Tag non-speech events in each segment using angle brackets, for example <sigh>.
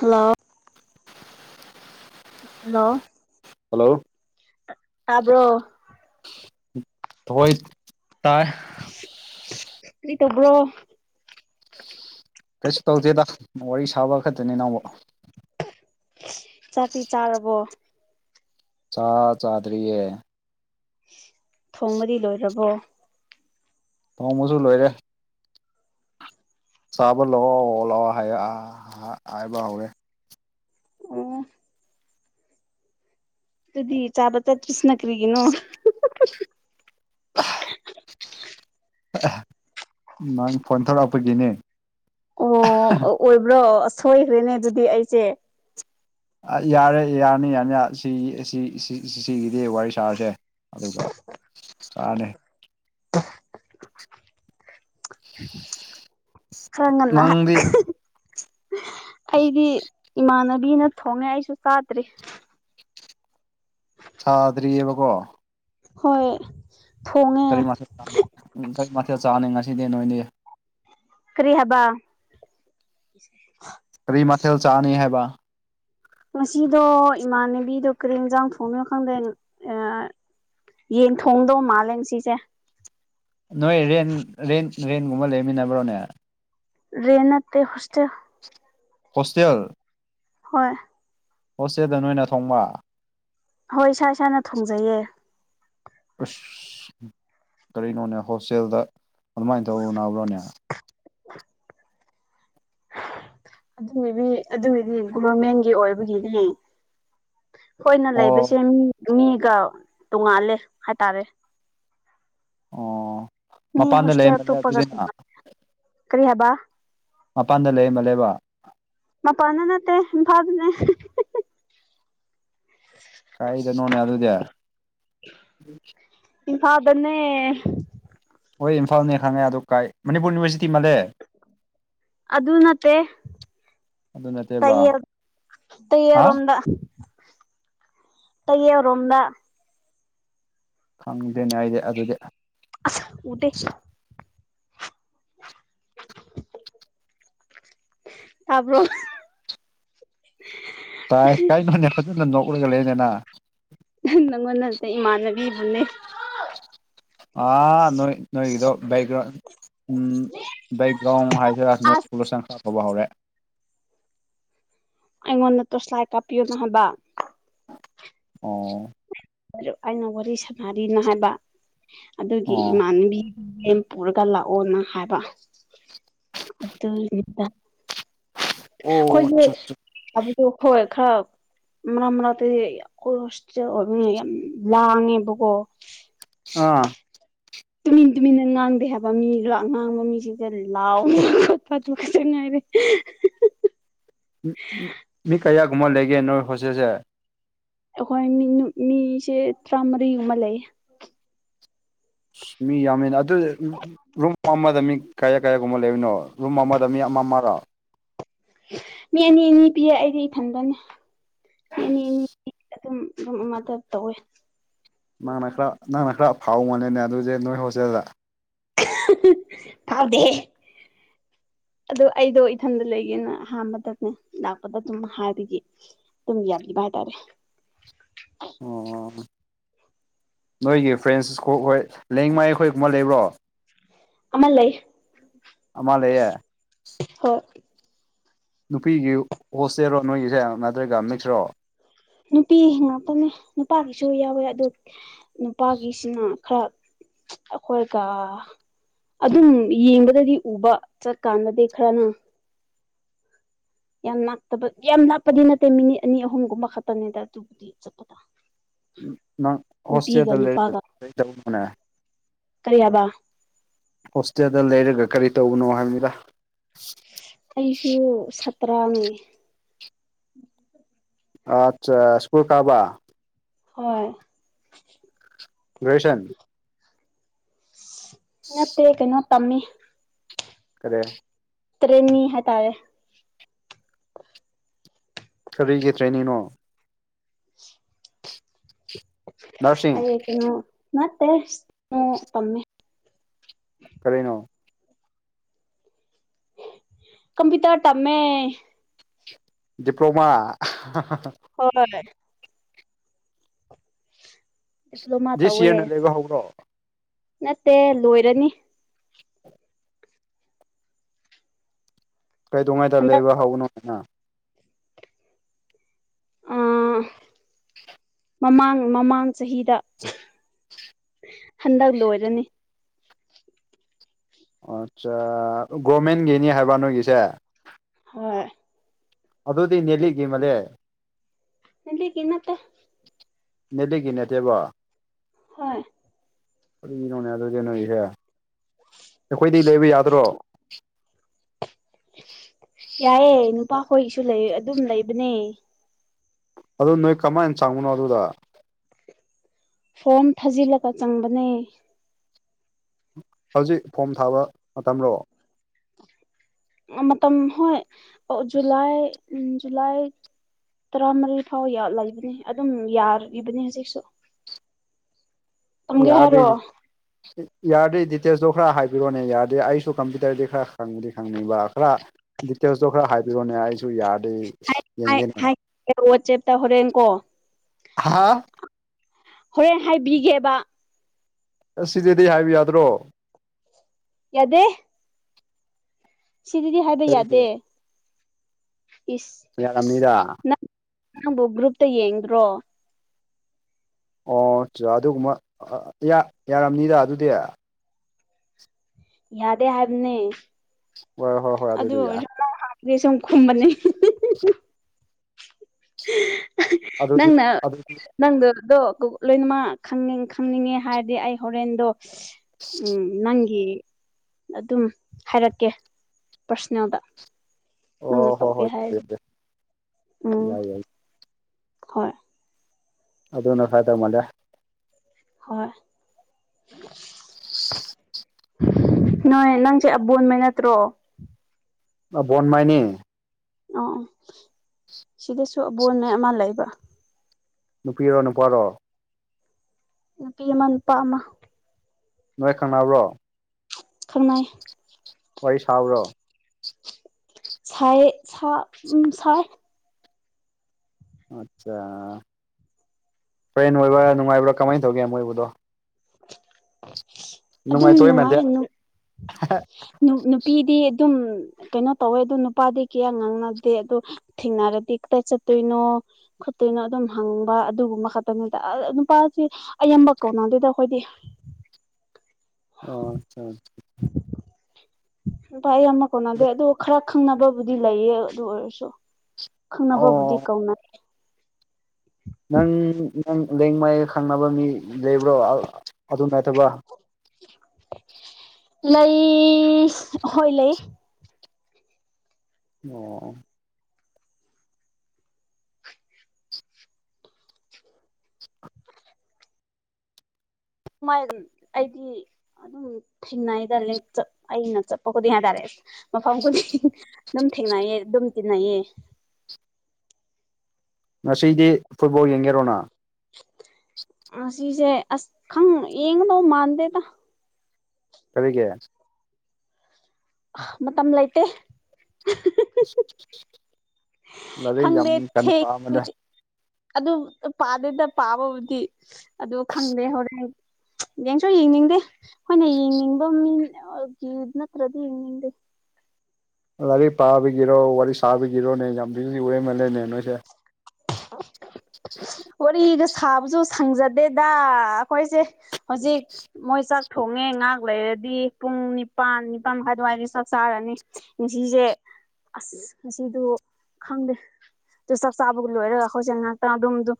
Hello hello hello ꯇꯥꯕ꯭ꯔꯣ ꯍꯣꯏ ꯇꯥꯏ ꯀꯔꯤ ꯇꯧꯕ꯭ꯔꯣ ꯀꯩꯁꯨ ꯇꯧꯗꯦꯗ ꯋꯥꯔꯤ ꯁꯥꯕ ꯈꯛꯇꯅꯤ ꯅꯪꯕꯨ ꯆꯥꯛꯇꯤ ꯆꯥꯔꯕꯣ ꯆꯥ ꯆꯥꯗ꯭ꯔꯤꯌꯦ ꯊꯣꯡꯕꯗꯤ ꯂꯣꯏꯔꯕꯣ ꯊꯣꯡꯕꯁꯨ ꯂꯣꯏꯔꯦ ꯆꯥꯕ ꯂꯥꯛꯑꯣ ꯂꯥꯛꯑꯣ ꯍꯥꯏ ꯍꯥꯏꯕ ꯍꯧꯔꯦ꯫ ꯑꯣ ꯑꯗꯨꯗꯤ ꯆꯥꯕ ꯇ ꯀ꯭ꯔꯤꯁꯤꯅ ꯀꯔꯤꯒꯅꯣ <inaudible> ꯅꯪ ꯐꯣꯟ ꯊꯣꯛꯂꯛꯄꯒꯤꯅꯦ ꯑꯣ ꯑꯣꯏꯕ꯭ꯔꯣ ꯁꯣꯏꯈ꯭ꯔꯦꯅꯦ ꯑꯗꯨꯗꯤ ꯑꯩꯁꯦ ꯌꯥꯔꯦ ꯌꯥꯔꯅꯤ ꯌꯥꯅꯤ ꯁꯤ ꯁꯤꯒꯤꯗꯤ ꯋꯥꯔꯤ ꯁꯥꯔꯁꯦ ꯑꯗꯨꯒ ꯆꯔꯥꯅꯦ <inaudible> ꯈꯔ ꯉꯟꯅ ꯃꯪꯗꯤ ꯑꯩꯗꯤ ꯏꯃꯥꯟꯅꯕꯤꯅ ꯊꯣꯡꯉꯦ ꯑꯩꯁꯨ ꯆꯥꯗ꯭ꯔꯤ ꯁꯥꯗ꯭ꯔꯤꯑꯦꯕꯀꯣ ꯍꯣꯏ ꯊꯣꯡꯉꯦ ꯀꯔꯤ ꯃꯊꯦꯜ ꯀꯔꯤ ꯃꯊꯦꯜ ꯆꯥꯅꯤ ꯉꯁꯤꯗꯤ ꯅꯣꯏꯅꯤ ꯀꯔꯤ ꯍꯥꯏꯕ <inaudible> ꯀꯔꯤ ꯃꯊꯦꯜ ꯆꯥꯅꯤ ꯍꯥꯏꯕ ꯉꯁꯤꯗꯣ ꯏꯃꯥꯟꯅꯕꯤꯗꯣ ꯀꯔꯤ ꯌꯦꯟꯖꯥꯡ ꯊꯣꯡꯉꯦꯅꯣ ꯈꯪꯗꯦ ꯌꯦꯡ ꯊꯣꯡꯗꯧ ꯃꯥꯜꯂꯦ ꯉꯥꯁꯤꯁꯦ ꯅꯣꯏ ꯔꯦꯟ ꯔꯦꯟ ꯔꯦꯟꯒꯨꯝꯕ ꯂꯩꯃꯤꯟꯅꯕ꯭ꯔꯣꯅꯦ ꯔꯦꯟ ꯅꯠꯇꯦ ꯍꯣꯁꯇꯦꯜ ꯍꯣꯁꯇꯦꯜ ꯍꯣꯏ ꯍꯣꯁꯇꯦꯜꯗ ꯅꯣꯏꯅ ꯊꯣꯡꯕ ꯍꯣꯏ ꯏꯁꯥ ꯏꯁꯥꯅ ꯊꯣꯡꯖꯩꯌꯦ ꯑꯁ ꯀꯔꯤꯅꯣꯅꯦ ꯍꯣꯁꯇꯦꯜꯗ ꯑꯗꯨꯃꯥꯏꯅ ꯇꯧꯅꯕ꯭ꯔꯣꯅꯦ ꯑꯗꯨꯒꯤꯗꯤ ꯑꯗꯨꯒꯤꯗꯤ ꯒꯣꯚꯔꯃꯦꯟꯒꯤ ꯑꯣꯏꯕꯒꯤꯗꯤ ꯈꯣꯏꯅ ꯑꯣ ꯂꯩꯕꯁꯦ ꯃꯤꯒ ꯇꯣꯡꯉꯥꯜꯂꯦ ꯍꯥꯏꯇꯥꯔꯦ ꯑꯣ ꯃꯤ ꯃꯄꯥꯟꯗ ꯍꯣꯁꯇꯦꯜ ꯂꯩꯔꯃꯅꯦ ꯑꯇꯣꯞꯄꯒ ꯑꯗꯨꯗꯤ <unintelligible> ꯀꯔꯤ ꯍꯥꯏꯕ ꯃꯄꯥꯟꯗ ꯂꯩꯔꯝꯕ ꯂꯩꯕ ꯃꯥꯄꯟꯗ ꯅꯠꯇꯦ ꯏꯝꯐꯥꯜ ꯗꯅꯦ <unintelligible> ꯀꯔꯥꯏꯗꯅꯣꯅꯦ ꯑꯗꯨꯗꯤ ꯏꯝꯐꯥꯜꯗꯅꯦ ꯍꯣꯏ ꯏꯝꯐꯥꯜꯅꯦ ꯈꯪꯉꯦ ꯑꯗꯣ ꯀꯥꯏ ꯃꯅꯤꯄꯨꯔ ꯌꯨꯅꯤꯚꯔꯁꯤꯇꯤ ꯃꯥꯜꯂꯦ ꯑꯗꯨ ꯅꯠꯇꯦ ꯑꯗꯨ ꯅꯠꯇꯦꯕ ꯇꯥꯌꯦꯜ ꯍꯥ ꯇ꯭ꯌꯦꯜꯔꯣꯝꯗ ꯇꯌꯦꯜꯔꯣꯝꯗ ꯈꯪꯗꯦꯅꯦ ꯑꯩꯗꯤ ꯑꯗꯨꯗꯤ ꯑꯁ ꯎꯗꯦ ꯇꯥꯕꯔꯣ꯫ ꯇꯥꯏ ꯀꯥꯏꯅꯣꯅꯦ ꯐꯖꯅ ꯅꯣꯛꯂꯒ ꯂꯩꯅꯦ ꯅꯪ ꯅꯪꯉꯣꯟ ꯅꯠꯇꯦ ꯏꯃꯥꯟꯅꯕꯤꯕꯨꯅꯦ ꯑ ꯅꯣꯏ ꯅꯣꯏꯒꯤꯗꯣ ꯕꯦꯛꯒ꯭ꯔꯥꯎꯟ ꯎꯝ ꯕꯦꯛꯒ꯭ꯔꯥꯎꯟ ꯍꯥꯏꯁꯤꯔꯥ ꯅꯣꯏꯁ ꯄꯣꯂꯨꯁꯟ ꯈꯔ ꯇꯧꯕ ꯍꯧꯔꯦ ꯑꯩꯉꯣꯟꯗ ꯇꯣꯁ꯭ꯂꯥꯏ ꯀꯥꯞꯄꯤꯌꯣꯅ ꯍꯥꯏꯕ ꯑꯣ ꯑꯩꯅ ꯋꯥꯔꯤ ꯁꯥꯟꯅꯔꯤꯅ ꯍꯥꯏꯕ ꯑꯗꯨꯒꯤ ꯑꯣ ꯏꯃꯥꯟꯅꯕꯤ ꯂꯦꯝ ꯄꯨꯔꯒ ꯂꯥꯛꯑꯣꯅ ꯍꯥꯏꯕ ꯑꯣ ꯑꯆꯥ ꯑꯆꯥ <unintelligible> ꯑꯗꯨꯕꯨ ꯍꯣꯏ ꯈꯔꯞ ꯃ ꯃꯇꯩ ꯈꯣꯏ ꯍꯣꯁꯇꯦꯜ ꯑꯣ ꯃꯤ ꯌꯥꯝ ꯂꯥꯡꯉꯦꯕꯀꯣ ꯑꯥ ꯇꯨꯃꯤꯟ ꯇꯨꯃꯤꯟꯅ ꯉꯥꯡꯗꯦ ꯍꯥꯏꯕ ꯃꯤꯒ ꯉꯥꯡꯕ ꯃꯤꯁꯤꯡꯁꯦ ꯂꯥꯎꯕ ꯈꯣꯠꯄ ꯈꯇ ꯉꯥꯏꯔꯦ <unintelligible> ꯃꯤ ꯀꯌꯥꯒꯨꯝꯕ ꯂꯩꯒꯦ ꯅꯣꯏ ꯍꯣꯁꯦꯜꯁꯦ ꯑꯩꯈꯣꯏ ꯃꯤ ꯃꯤꯁꯦ ꯇꯔꯥꯃꯔꯤꯒꯨꯝꯕ ꯂꯩꯌꯦ ꯃꯤ ꯌꯥꯝꯃꯦꯅ ꯑꯗꯨ ꯔꯨꯝ ꯑꯃꯗ ꯃꯤ ꯀꯌꯥ ꯀꯌꯥꯒꯨꯝꯕ ꯂꯩꯕꯅꯣ ꯔꯨꯝ ꯑꯃꯗ ꯃꯤ ꯑꯃ ꯑꯃꯔꯣ ꯃꯤ ꯑꯅꯤ ꯑꯅꯤ ꯄꯤꯌꯦ ꯑꯩꯗꯤ ꯏꯊꯟꯗꯅꯦ ꯃꯤ ꯑꯅꯤ ꯑꯅꯤ ꯄꯤ ꯑꯗꯨꯝ ꯔꯨꯝ ꯑꯃꯇ ꯇꯧꯋꯦ ꯃꯥꯅ ꯈꯔ ꯅꯪꯅ ꯈꯔ ꯐꯥꯎ ꯃꯜꯂꯦꯅꯦ ꯑꯗꯨꯗꯤ ꯅꯣꯏ ꯍꯣꯁꯇꯦꯜꯗ ꯐꯥꯎꯗꯦꯍꯦ ꯑꯗꯨ ꯑꯩꯗꯣ ꯏꯊꯟꯗ ꯂꯩꯒꯦꯅ ꯑꯍꯥꯟꯕꯗꯅꯦ ꯂꯥꯛꯄꯗ ꯑꯗꯨꯝ ꯍꯥꯏꯕꯒꯤ ꯇꯨꯝ ꯌꯥꯕꯤꯕ ꯍꯥꯏ ꯇꯔꯦ ꯑꯣ ꯅꯣꯏꯒꯤ ꯐ꯭ꯔꯦꯟꯁ ꯀꯣꯛ ꯍꯣꯏ ꯂꯦꯡꯃꯥꯏ ꯑꯩꯈꯣꯏꯒꯨꯝꯕ ꯂꯩꯕ꯭ꯔꯣ ꯑꯃ ꯂꯩ ꯑꯃ ꯂꯩꯌꯦ ꯍꯣꯏ ꯅꯨꯄꯤꯒꯤ ꯍꯣꯁꯇꯦꯜꯔꯣ ꯅꯣꯏꯒꯤꯁꯦ ꯅꯠꯇ꯭ꯔꯒ ꯃꯤꯛꯁꯔꯣ ꯅꯨꯄꯤ ꯉꯥꯛꯇꯅꯦ ꯅꯨꯄꯥꯒꯤꯁꯨ ꯌꯥꯎꯋꯦ ꯑꯗꯣ ꯅꯨꯄꯥꯒꯤꯁꯤꯅ ꯈꯔ ꯑꯩꯈꯣꯏꯒ ꯑꯗꯨꯝ ꯌꯦꯡꯕꯗꯗꯤ ꯎꯕ ꯆꯠꯀꯥꯟꯗꯗꯤ ꯈꯔꯅ ꯌꯥꯝ ꯅꯥꯛꯇꯕ ꯌꯥꯝ ꯅꯅꯥꯥꯛꯄꯗꯤ ꯅꯠꯇꯦ ꯃꯤꯅꯤꯠ ꯑꯅꯤ ꯑꯍꯨꯝꯒꯨꯝꯕ ꯈꯛꯇꯅꯤꯗ ꯑꯗꯨꯕꯨꯗꯤ ꯆꯠꯄꯗ ꯅꯪ ꯅꯨꯄꯤꯒ ꯍꯣꯁꯇꯦꯜꯗ ꯂꯩ ꯂꯩꯇꯕꯣꯅꯦ ꯀꯔꯤꯑꯕ ꯍꯣꯁꯇꯦꯜꯗ ꯂꯩꯔꯒ ꯀꯔꯤ ꯇꯧꯕꯅꯣ ꯍꯥꯏꯕꯅꯤꯗꯥ ꯑꯩꯁꯨ ꯁꯇ꯭ꯔꯥꯅꯤ ꯑꯠꯆꯥ ꯁ꯭ꯀꯨꯜ ꯀꯥꯕ ꯍꯣꯏ ꯒꯦꯔꯖꯁꯟ ꯅꯠꯇꯦ ꯀꯩꯅꯣ ꯇꯝꯃꯤ ꯀꯔꯤ ꯇ꯭ꯔꯦꯟꯅꯤ ꯍꯥꯏꯇꯥꯥꯔꯦ ꯀꯔꯤꯒꯤ ꯇ꯭ꯔꯦꯅꯤꯅꯣ ꯑ ꯅꯔꯁꯤꯡ ꯀꯩꯅꯣ ꯅꯠꯇꯦ ꯏꯁꯅꯣ ꯇꯝꯃꯦ ꯀꯔꯤꯅꯣ ꯀꯝꯄꯤꯎꯇꯥ꯭ꯔ ꯇꯃꯦ ꯗꯤꯄ꯭ꯂꯣꯃꯥ ꯍꯣꯏꯣꯏ ꯗꯤꯄ꯭ꯂꯣꯃꯥ ꯗꯤꯁ ꯇꯧꯋꯦ ꯏꯌꯔꯅ ꯂꯩꯕ ꯍꯧꯕ꯭ꯔꯣ ꯅꯠꯇꯦ ꯂꯣꯏꯔꯅꯤ ꯀꯩꯗꯧꯉꯩꯗ ꯍꯟꯗꯛ ꯂꯩꯕ ꯍꯧꯕꯅꯣ ꯍꯥꯏꯅ ꯑꯥ <inaudible> ꯃꯃꯥꯡ ꯃꯃꯥꯡ ꯆꯍꯤꯗ ꯍꯟꯗꯛ ꯂꯣꯏꯔꯅꯤ ꯑꯠꯆꯥ ꯒꯣꯔꯃꯦꯟꯒꯤꯅꯦ ꯍꯥꯏꯕ ꯅꯣꯏꯒꯤꯁꯦ ꯍꯣꯏ ꯑꯗꯨꯗꯤ ꯅꯦꯂꯤꯠꯒꯤ ꯃꯔꯦ ꯅꯗꯤꯠꯒꯤ ꯅꯠꯇꯦ ꯅꯦꯂꯤꯠꯒꯤ ꯅꯠꯇꯦꯕ ꯍꯣꯏ ꯀꯔꯤꯅꯣꯅꯦ ꯑꯗꯨꯗꯤ ꯅꯣꯏꯒꯤꯁꯦ ꯑꯩꯈꯣꯏꯗꯤ ꯂꯩꯕ ꯌꯥꯗ꯭ꯔꯣ ꯌꯥꯏꯑꯦ ꯅꯨꯄꯥꯈꯣꯏꯒꯤꯁꯨ ꯂꯩ ꯑꯗꯨꯝ ꯂꯩꯕꯅꯦ ꯑꯗꯨ ꯅꯣꯏ ꯀꯃꯥꯏꯅ ꯆꯪꯕꯅꯣ ꯑꯗꯨꯗ ꯐꯣꯝ ꯊꯥꯖꯤꯜꯂꯒ ꯆꯪꯕꯅꯦ ꯍꯧꯖꯤꯛ ꯐꯣꯝ ꯊꯥꯕ ꯃꯇꯝꯔꯣ ꯑꯥ ꯃꯇꯝ ꯍꯣꯏ ꯖꯨꯂꯥꯏ ꯎꯝ ꯖꯨꯂꯥꯏ ꯇꯔꯥꯃꯔꯤ ꯐꯥꯎ ꯂꯩꯕꯅꯤ ꯑꯗꯨꯝ ꯌꯥꯔꯤꯕꯅꯤ ꯍꯧꯖꯤꯛꯁꯨ ꯇꯝꯒꯦ ꯍꯥꯏꯔꯣ ꯌꯥꯗꯩꯩꯗꯤ ꯌꯥꯔꯗꯤ ꯗꯤꯇꯦꯜꯁꯇꯣ ꯈꯔ ꯍꯥꯏꯕꯤꯔꯣꯅꯦ ꯌꯥꯔꯗꯤ ꯑꯩꯁꯨ ꯀꯝꯄ꯭ꯌꯨꯇꯔꯗꯤ ꯈꯔ ꯈꯪꯗꯤ ꯈꯪꯅꯤꯡꯕ ꯈꯔ ꯗꯤꯇꯦꯜꯁꯇꯣ ꯈꯔ ꯍꯥꯏꯕꯤꯔꯣꯅꯦ ꯑꯩꯁꯨ ꯌꯥꯔꯗꯤ ꯑꯩ ꯌꯦꯡꯒꯦꯅꯦ ꯍꯥꯏꯒꯦꯕꯥ ꯋꯥꯆꯦꯞꯇ ꯍꯣꯔꯦꯟꯀꯣ ꯍꯥꯥ ꯍꯣꯔꯦꯟ ꯍꯥꯏꯕꯤꯒꯦꯕ ꯑꯁꯤꯗꯗꯤ ꯍꯥꯏꯕ ꯌꯥꯗ꯭ꯔꯣ ꯌꯥꯗꯦ ꯁꯤꯗꯗꯤ ꯍꯥꯏꯕ ꯀꯔꯤꯒꯤ ꯌꯥꯗꯦ ꯏꯁ ꯌꯥꯔꯝꯅꯤꯗꯥ ꯅꯪ ꯅꯪꯕꯨ ꯒ꯭ꯔꯨꯞꯇ ꯌꯦꯡꯗ꯭ꯔꯣ ꯑꯣ ꯑꯆꯥ ꯑꯗꯨꯒꯨꯝꯕ ꯌꯥ ꯌꯥꯔꯝꯅꯤꯗ ꯑꯗꯨꯗꯤ ꯌꯥꯗꯦ ꯍꯥꯏꯕꯅꯦ ꯍꯣꯏ ꯍꯣꯢ ꯑꯗꯨꯑꯣꯏꯔꯁꯨ ꯈꯣꯡ ꯍꯥꯝꯕꯒꯤ ꯁꯨꯝ ꯈꯨꯝꯕꯅꯤ ꯑꯗꯨꯗꯤ ꯑꯗꯨ ꯅꯪꯗꯨꯗꯣ ꯀꯣ ꯂꯣꯏꯅꯃꯛ ꯈꯪꯅꯤꯡ ꯈꯪꯅꯤꯡꯉꯦ ꯍꯥꯏꯔꯗꯤ ꯑꯩ ꯍꯣꯔꯦꯟꯗꯣ <inaudible> ꯎꯝ ꯅꯪꯒꯤ ꯑꯗꯨꯝ ꯍꯥꯏꯔꯛꯀꯦ ꯄ꯭ꯔꯁꯅꯦꯜꯗ ꯅꯪꯅ ꯑꯣ ꯍꯣꯏ ꯇꯧꯒꯦ ꯍꯣꯏ ꯌꯥꯏ ꯍꯥꯏꯔꯗꯤ ꯌꯥꯏ ꯎꯝ ꯌꯥꯏ ꯌꯥꯏ ꯍꯣꯏ ꯑꯗꯨꯅ ꯐꯥꯗꯧ ꯃꯥꯜꯂꯦ ꯍꯣꯏ ꯅꯣꯏ ꯅꯪꯁꯦ ꯑꯕꯣꯟꯃꯩ ꯅꯠꯇ꯭ꯔꯣ ꯑꯕꯣꯟꯃꯩꯅꯤ ꯑꯣ ꯑꯣ ꯁꯤꯗꯁꯨ ꯑꯕꯣꯟꯃꯩ ꯑꯃ ꯂꯩꯕ ꯅꯨꯄꯤꯔꯣ ꯅꯨꯄꯥꯔꯣ ꯅꯨꯄꯤ ꯑꯃ ꯅꯨꯄꯥ ꯑꯃ ꯅꯣꯏ ꯈꯪꯅꯕ꯭ꯔꯣ ꯈꯪꯅꯩ ꯋꯥꯔꯤ ꯁꯥꯕ꯭ꯔꯣ ꯁꯥꯏꯌꯦ ꯁꯥ ꯎꯝ ꯁꯥꯏ ꯑꯠꯆꯥ ꯐ꯭ꯔꯦꯟ ꯑꯣꯏꯕ꯭ꯔꯥ ꯅꯨꯡꯉꯥꯏꯕ꯭ꯔꯥ ꯀꯃꯥꯏꯅ ꯇꯧꯒꯦ ꯃꯣꯏꯕꯗꯣ ꯑꯗꯨꯝ ꯅꯨꯡꯉꯥꯏꯊꯣꯛꯏ ꯃꯥꯟꯗꯦ ꯅꯨꯡꯉꯥꯏ ꯅꯨ ꯅꯨꯄꯤꯗꯤ ꯑꯗꯨꯝ ꯀꯩꯅꯣ ꯇꯧꯋꯦ ꯑꯗꯨ ꯅꯨꯄꯥꯗꯤ ꯀꯌꯥ ꯉꯥꯡꯅꯗꯦ ꯑꯗꯣ ꯊꯦꯡꯅꯥꯔꯗꯤ ꯀꯥꯗꯥꯢ ꯆꯠꯇꯣꯏꯅꯣ ꯈꯨꯠꯇꯣꯏꯅꯣ ꯑꯗꯨꯝ ꯍꯪꯕ ꯑꯗꯨꯒꯨꯝꯕ ꯈꯛꯇꯅꯤ ꯑꯥ ꯅꯨꯄꯥꯁꯤ ꯑꯌꯥꯝꯕ ꯀꯧꯅꯗꯦꯗꯥ ꯑꯩꯈꯣꯏꯗꯤ ꯑꯣ ꯑꯆꯥ ꯑꯆꯥ ꯅꯨꯄꯥ ꯑꯌꯥꯝꯕꯥ ꯀꯧꯅꯗꯦ ꯑꯗꯨ ꯈꯔ ꯈꯪꯅꯕꯕꯨꯗꯤ ꯂꯩꯌꯦ ꯑꯗꯨ ꯑꯣꯏꯔꯁꯨ ꯈꯪꯅꯕꯕꯨꯗꯤ ꯑꯣ ꯀꯧꯅꯩ ꯅꯪ ꯅꯪ ꯂꯦꯡꯃꯩ ꯈꯪꯅꯕ ꯃꯤ ꯂꯩꯕ꯭ꯔꯣ ꯑꯗꯣꯝ ꯁꯥꯢꯠꯇꯕꯣ ꯂꯩ ꯍꯣꯏ ꯂꯩ ꯑꯣ ꯁꯃꯥꯏ <unintelligible> ꯑꯩꯗꯤ ꯑꯗꯨꯝ ꯊꯦꯡꯅꯩꯏꯗ ꯂꯦꯡꯆꯠ ꯑꯩꯅ ꯆꯠꯄ ꯈꯨꯗꯤꯡ ꯍꯥꯏꯇꯥꯔꯦ ꯃꯐꯝ ꯈꯨꯗꯤꯡ ꯑꯗꯨꯝ ꯊꯦꯡꯅꯩꯌꯦ ꯑꯗꯨꯝ ꯇꯤꯟꯅꯩꯌꯦ ꯉꯁꯤꯗꯤ ꯐꯨꯠꯕꯣꯜ ꯌꯦꯡꯒꯦꯔꯣ ꯅꯪ ꯉꯁꯤꯁꯦ ꯑꯁ ꯈꯪ ꯌꯦꯡꯒꯗꯧ ꯃꯥꯟꯗꯦꯗ ꯀꯔꯤꯒꯤ ꯃꯇꯝ ꯂꯩꯇꯦ ꯂꯂꯩ ꯌꯥꯝ ꯈꯪꯗꯦ ꯌꯥꯝ ꯊꯦꯡ ꯄꯥꯝꯕꯅꯦ ꯑꯗꯨ ꯄꯥꯗꯦꯗ ꯄꯥꯕꯕꯨꯗꯤ ꯑꯗꫭ ꯈꯪꯗꯦ ꯍꯣꯔꯦꯟ ꯌꯦꯡꯁꯨ ꯌꯦꯡꯅꯤꯡꯗꯦ ꯑꯩꯈꯣꯏꯅ ꯌꯦꯡꯅꯤꯡꯕ ꯃꯤ ꯒꯤ ꯅꯠꯇ꯭ꯔꯗꯤ ꯌꯦꯡꯅꯤꯡꯗꯦ ꯂꯥꯏꯔꯤꯛ ꯄꯥꯕꯤꯒꯤꯔꯣ ꯋꯥꯔꯤ ꯁꯥꯕꯒꯤꯔꯣꯅꯦ ꯌꯥꯝ ꯕꯤꯖꯤ ꯑꯔꯦꯝꯃꯜꯂꯦꯅꯦ ꯅꯣꯏꯁꯦ <inaudible> ꯋꯥꯔꯤꯒ ꯁꯥꯕꯁꯨ ꯁꯪꯖꯗꯦꯗ ꯑꯩꯈꯣꯏꯁꯦ ꯍꯧꯖꯤꯛ ꯃꯣꯏ ꯆꯥꯛ ꯊꯣꯡꯉꯦ ꯉꯥꯏꯍꯥꯛ ꯂꯩꯔꯗꯤ ꯄꯨꯡ ꯅꯤꯄꯥꯟ ꯅꯤꯄꯥꯟ ꯃꯈꯥꯏ ꯑꯗꯨꯋꯥꯏꯗ ꯆꯥꯛ ꯆꯥꯔꯅꯤ ꯉꯁꯤꯁꯦ ꯑꯁ ꯉꯁꯤꯗꯨ ꯈꯪꯗꯦ ꯑꯗꯨ ꯆꯥꯛ ꯆꯥꯕ ꯂꯣꯏꯔꯒ ꯑꯩꯈꯣꯏꯁꯦ ꯉꯥꯏꯍꯥꯛꯇꯪ ꯑꯗꯨꯝꯗꯨꯝ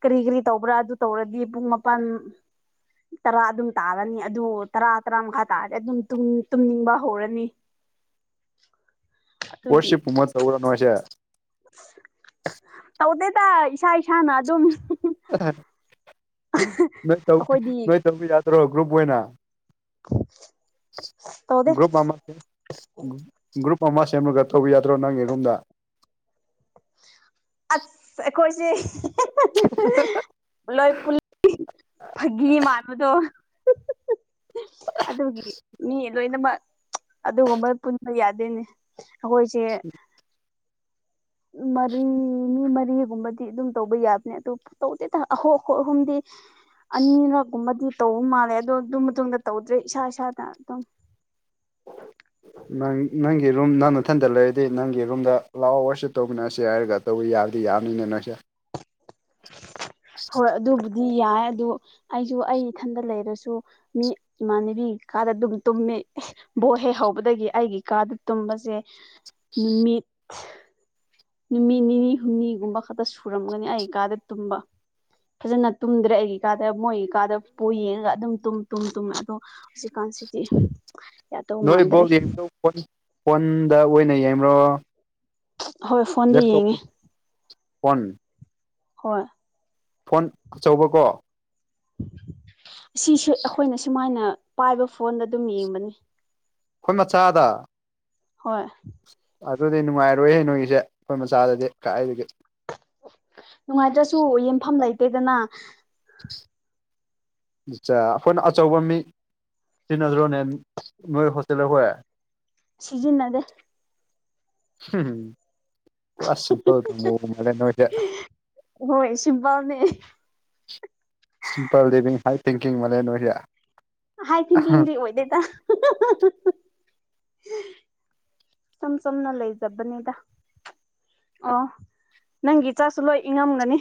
ꯀꯔꯤ ꯀꯔꯤ ꯇꯧꯕ꯭ꯔꯥ ꯑꯗꯨ ꯇꯧꯔꯗꯤ ꯄꯨꯡ ꯃꯥꯄꯜ <inaudible> ꯇꯔꯥ ꯑꯗꯨꯝ ꯇꯥꯔꯅꯤ ꯑꯗꯨ ꯇꯔꯥ ꯇꯔꯥ ꯃꯈꯥ ꯇꯥꯔꯗꯤ ꯑꯗꯨꯝ ꯇꯨꯝꯅꯤꯡ ꯇꯨꯝꯅꯤꯡꯕ ꯍꯧꯔꯅꯤ <inaudible> ꯑꯗꯨꯒꯤ ꯀꯔꫭꯁꯤꯞ ꯀꯨꯝꯕ ꯇꯧꯔꯅꯣ ꯍꯥꯏꯁꯦ ꯇꯧꯗꯦꯗ ꯏꯁꯥ ꯏꯁꯥꯅ ꯑꯗꯨꯝ <unintelligible> ꯅꯣꯏ ꯇꯧ ꯑꯩꯈꯣꯏꯗꯤ ꯅꯣꯏ ꯇꯧꯕꯌꯥꯗ꯭ꯔꯣ ꯒ꯭ꯔꯨꯞ ꯑꯣꯏꯅ ꯇꯧꯗꯦ ꯒ꯭ꯔꯨꯞ ꯑꯃ ꯒ꯭ꯔꯨꯞ ꯑꯃ ꯁꯦꯝꯃꯒ ꯇꯧꯕ ꯌꯥꯗ꯭ꯔꯣ ꯅꯪꯒꯤ ꯔꯨꯝꯗ ꯑꯁ ꯑꯩꯈꯣꯏꯁꯦ <unintelligible> ꯄꯨꯂꯣꯏ ꯄꯨꯜꯂꯗꯤ ꯐꯥꯒꯤ ꯃꯥꯟꯕꯗꯣ ꯑꯗꯨꯒꯤ ꯃꯤ ꯂꯣꯏꯅꯃꯛ ꯑꯗꯨꯒꯨꯝꯕ ꯄꯨꯟꯕ ꯌꯥꯗꯦꯅꯦ ꯑꯩꯈꯣꯏꯁꯦ ꯃꯔꯤ ꯃꯤ ꯃꯔꯤꯒꯨꯝꯕꯗꯤ ꯑꯗꯨꯝ ꯇꯧꯕ ꯌꯥꯕꯅꯦ ꯑꯇꫭꯞꯄ ꯇꯧꯗꯦꯗ ꯑꯍꯣ ꯍꯣꯏ ꯑꯍꯨꯝꯗꯤ ꯑꯅꯤꯔꯛꯒꯨꯝꯕꯗꯤ ꯇꯧꯕ ꯃꯥꯜꯂꯦ ꯑꯗꯣ ꯑꯗꯨ ꯃꯇꯨꯡꯗ ꯇꯧꯗ꯭ꯔꯦ ꯏꯁꯥ ꯏꯁꯥꯅ ꯑꯗꯨꯝ <inaudible> ꯅꯪ ꯅꯪꯒꯤ ꯔꯨꯝ ꯅꯪꯅꯊꯟꯗ ꯂꯩꯔꯗꯤ ꯅꯪꯒꯤ ꯔꯨꯝꯗ ꯂꯥꯎ ꯋꯥꯔꯁꯤꯞ ꯇꯧꯃꯤꯟꯅꯔꯁꯦ ꯍꯥꯏꯔꯒ ꯇꯧꯕ ꯌꯥꯕꯗꯤ ꯌꯥꯕꯅꯤꯅꯦ ꯅꫭꯏꯁꯦ ꯍꯣꯏ ꯑꯗꯨꯕꯨꯗꯤ ꯌꯥꯏ ꯑꯗꫭ ꯑꯩꯁꯨ ꯑꯩ ꯏꯊꯟꯗ ꯂꯩꯔꯁꯨ ꯃꯤ ꯏꯃꯥꯟꯅꯕꯤ ꯀꯥꯗ ꯑꯗꯨꯝ ꯇꯨꯝꯃꯦ ꯕꯣꯜ ꯍꯦꯛ ꯍꯧꯕꯗꯒꯤ ꯑꯩꯒꯤ ꯀꯥꯗ ꯇꯨꯝꯕꯁꯦ ꯅꯨꯃꯤꯠ ꯅꯨꯃꯤꯠ ꯅꯤꯅꯤ ꯍꯨꯝꯅꯤꯒꯨꯝꯕ ꯈꯛꯇ ꯁꯨꯔꯝꯒꯅꯤ ꯑꯩ ꯀꯥꯗ ꯇꯨꯝꯕ ꯐꯖꯅ ꯇꯨꯝꯗ꯭ꯔꯦ ꯑꯩꯒꯤ ꯀꯥꯗ ꯃꯣꯏꯒꯤ ꯀꯥꯗ ꯄꯨ ꯌꯦꯡꯉꯒ ꯑꯗꯨꯝ ꯇꯨꯝ ꯇꯨꯝ ꯑꯗꯣ ꯍꯧꯖꯤꯛ ꯀꯥꯟꯁꯤꯗꯤ ꯅꯣꯏ ꯕꫭꯜ ꯌꯦꯡꯕꯗꫭ ꯐꯣꯟ ꯐꯣꯟꯗ ꯑꯣꯏꯅ ꯌꯦꯡꯕ꯭ꯔꯣ ꯍꯣꯏ ꯐꯣꯟꯗ ꯌꯦꯡꯉꯦ ꯂꯦꯞꯇꫭꯞ <unintelligible> ꯐꫭꯟ ꯍꯣꯏ ꯐꯣꯟ ꯑꯆꯧꯕꯀꯣ ꯁꯤꯁꯦ ꯑꯩꯈꯣꯏꯅ ꯁꯨꯃꯥꯏꯅ ꯄꯥꯏꯕ ꯐꯣꯟ ꯑꯗꯨꯝ ꯌꯦꯡꯕꯅꯦ ꯑꯩꯈꯣꯏ ꯃꯆꯥꯗ ꯍꯣꯏ ꯑꯗꯨꯗꯤ ꯅꯨꯡꯉꯥꯏꯔꯣꯏꯍ ꯅꯣꯏꯒꯤꯁꯦ ꯑꯩꯈꯣꯏ ꯃꯆꯥꯗꯗꯤ ꯀꯥꯏꯗꯒꯤ ꯅꯨꯡꯉꯥꯏꯇ꯭ꯔꯁꯨ ꯌꯦꯟꯐꯝ ꯂꯩꯇꯦꯗꯅ ꯏꯆꯥ ꯑꯩꯈꯣꯏꯅ ꯑꯆꯧꯕ ꯃꯤ ꯁꯤ꯭ꯔꯤ ꯅꯖꯔꯣꯅꯦ ꯅꯣꯏ ꯍꯣꯁꯇꯦꯜꯔ ꯍꯔꯦ <unintelligible> ꯁꯤꯖꯤꯟꯅꯗꯦ ꯄ ꯃꯅ ꯏꯗ <unintelligible> ꯍꯣꯏ ꯁꯤꯝꯄꯜꯅꯦ ꯁꯤꯝꯄꯜ ꯂꯤꯕꯤꯡ ꯍꯥꯏ ꯊꯤꯡꯀꯤꯡ ꯃꯂꯦ ꯅꯣꯏꯗꯤ ꯍꯥꯏ ꯊꯤꯡꯀꯤꯡꯗꯤ ꯑꯣꯏꯗꯦꯗ ꯁꯝ ꯁꯝꯅ ꯂꯩꯖꯕꯅꯤꯗ ꯑꯣ ꯅꯪꯒꯤ ꯆꯥꯁꯨ ꯂꯣꯏ ꯏꯉꯝꯂꯅꯤ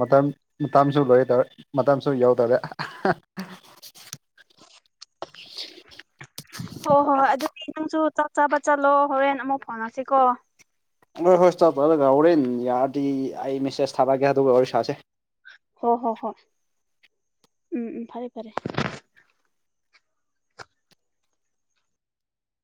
ꯃꯇꯝ ꯃꯇꯝꯁꯨ ꯂꯣꯏꯔ ꯗꯧꯔꯦ ꯃꯇꯝꯁꯨ ꯌꯥꯎ ꯗꯧꯔꯦ ꯍꯣꯏ ꯍꯣꯏ ꯍꯣꯏ ꯑꯗꯨꯗꯤ ꯅꯪꯁꯨ ꯆꯥꯛ ꯆꯥꯕ ꯆꯠꯂꯣ ꯍꯣꯔꯦꯟ ꯑꯃꯨꯛ ꯐꯥꯎꯉꯁꯤꯀꯣ ꯍꯣꯏ ꯍꯣꯏ ꯆꯕꯂꯣꯏꯔꯒ ꯍꯣꯔꯦꯟ ꯌꯥꯔꯗꯤ ꯑꯩ ꯃꯦꯁꯦꯁ ꯊꯥꯔꯛꯑꯒꯦ ꯑꯗꯨꯒ ꯋꯥꯔꯤꯁꯥꯁꯦ ꯍꯣ ꯍꯣ ꯍꯣꯏ ꯎꯝ ꯎꯝ ꯐꯔꯦ ꯐꯔꯦ